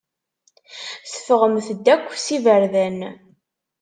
Teffɣemt-d akk s iberdan.